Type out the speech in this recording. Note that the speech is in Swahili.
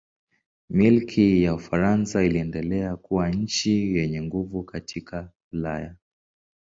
Milki ya Ufaransa iliendelea kuwa nchi yenye nguvu katika Ulaya.